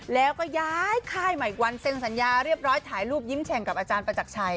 แล้วก็ย้ายค่ายใหม่อีกวันเซ็นสัญญาเรียบร้อยถ่ายรูปยิ้มแฉ่งกับอาจารย์ประจักรชัย